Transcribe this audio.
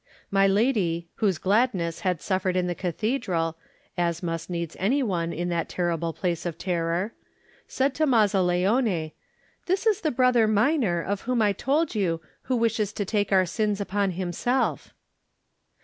My lady, whose gladness had suffered in the cathedral, as must needs any one in that terrible place of terror, said to Mazzaleone, "This is the Brother Minor of whom I told you, who wishes to take our sins upon himself."